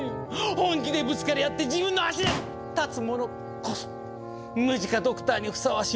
本気でぶつかり合って自分の足で立つ者こそムジカドクターにふさわしいのです。